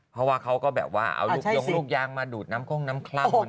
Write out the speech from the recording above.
เพราะว่าเขาก็แบบว่าเอายุ่งลูกยางมาดูดน้ำคลั่ม